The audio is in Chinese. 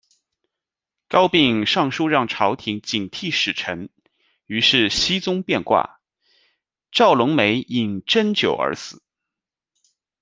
高骈上书让朝廷警惕使臣，于是僖宗变卦，赵隆眉饮鸩酒而死。